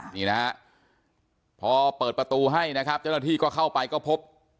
นี่นะฮะพอเปิดประตูให้นะครับเจ้าหน้าที่ก็เข้าไปก็พบ